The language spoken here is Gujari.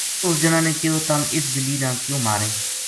اُس جنا نے کہیو تم اِس بِلی نا کیوں ماریں